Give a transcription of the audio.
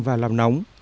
và làm nóng